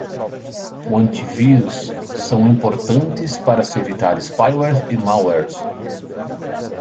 Antivírus são importantes para se evitar spywares e malwares